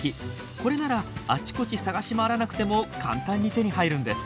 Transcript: これならあちこち探し回らなくても簡単に手に入るんです。